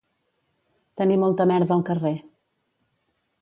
Tenir molta merda al carrer